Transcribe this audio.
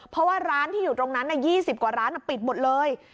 เพราะว่าร้านที่อยู่ตรงนั้น๒๐กว่าร้านปิดหมดเลย